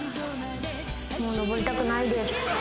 もう上りたくないです。